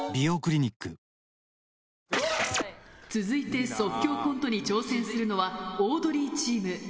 続いて即興コントに挑戦するのはオードリーチーム。